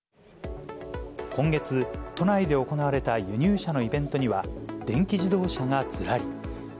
今月、都内で行われた輸入車のイベントには、電気自動車がずらり。